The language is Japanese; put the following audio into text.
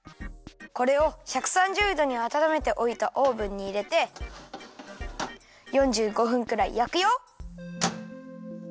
これを１３０どにあたためておいたオーブンにいれて４５分くらいやくよ。